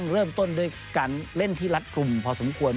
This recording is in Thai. เริ่มต้นด้วยการเล่นที่รัดกลุ่มพอสมควร